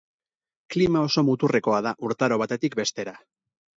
Klima oso muturrekoa da urtaro batetik bestera.